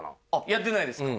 やってないですか。